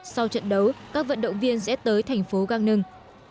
sau trận đấu các vận động viên sẽ tới thành phố gardnung